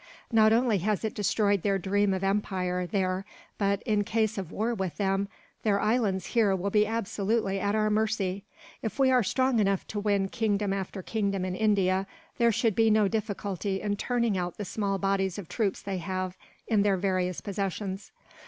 Not only has it destroyed their dream of empire there but, in case of war with them, their islands here will be absolutely at our mercy. If we are strong enough to win kingdom after kingdom in India, there should be no difficulty in turning out the small bodies of troops they have, in their various possessions."